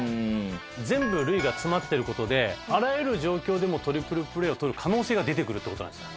全部塁が詰まってる事であらゆる状況でもトリプルプレーを取る可能性が出てくるって事なんです。